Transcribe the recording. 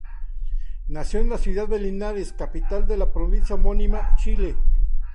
Nació en la ciudad de Linares, capital de la provincia homónima, Chile.